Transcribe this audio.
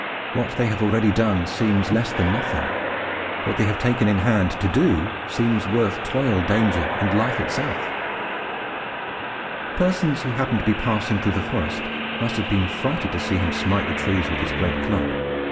What they have already done seems less than nothing. What they have taken in hand to do seems worth toil, danger, and life itself. Persons who happened to be passing through the forest must have been affrighted to see him smite the trees with his great club.